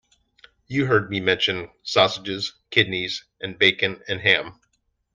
You heard me mention sausages, kidneys and bacon and ham.